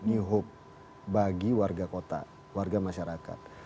new hope bagi warga kota warga masyarakat